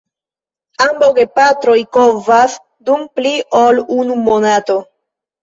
Ambaŭ gepatroj kovas dum pli ol unu monato.